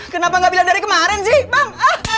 kenapa nggak bilang dari kemarin sih bang